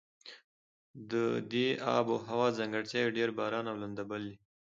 د دې آب هوا ځانګړتیاوې ډېر باران او لنده بل دي.